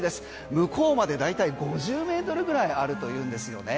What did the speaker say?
向こうまで大体５０ｍぐらいあるというんですよね。